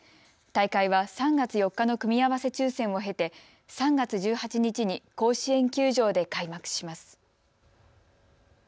大会は３月４日の組み合わせ抽せんを経て３月１８日に甲子園球場で開幕します。